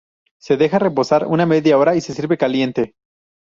Se deja reposar una media hora y se sirve caliente.